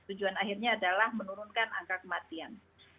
tujuan akhirnya adalah menurunkan angka kematian